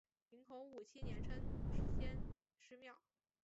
明洪武七年称先师庙。